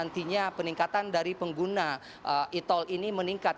nantinya peningkatan dari pengguna e tol ini meningkat